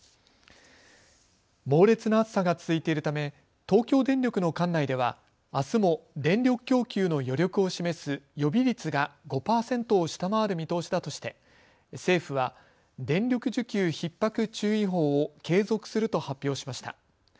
猛烈な暑さが続いているため東京電力の管内ではあすも電力供給の余力を示す予備率が５％を下回る見通しだとして政府は電力需給ひっ迫注意報を継続すると発表しました。